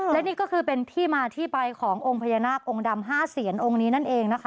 และนี่ก็คือเป็นที่มาที่ไปขององค์พญานาคองค์ดำ๕เสียนองค์นี้นั่นเองนะคะ